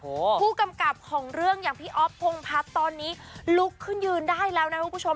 ผู้กำกับของเรื่องอย่างพี่อ๊อฟพงพัฒน์ตอนนี้ลุกขึ้นยืนได้แล้วนะคุณผู้ชม